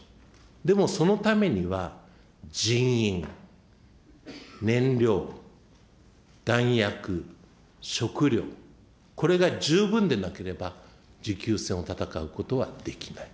でもそのためには、人員、燃料、弾薬、食料。これが十分でなければ持久戦を戦うことはできない。